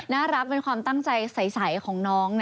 น่ารักเป็นความตั้งใจใสของน้อง